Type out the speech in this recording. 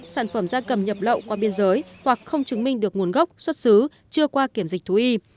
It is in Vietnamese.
sản phẩm da cầm nhập lậu qua biên giới hoặc không chứng minh được nguồn gốc xuất xứ chưa qua kiểm dịch thú y